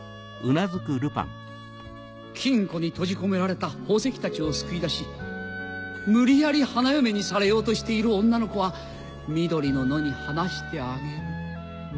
金庫に閉じ込められた宝石たちを救い出し無理やり花嫁にされようとしている女の子は緑の野に放してあげる。